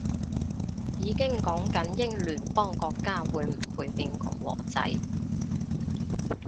已經講緊英聯邦國家會唔會變共和制